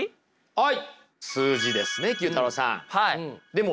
はい。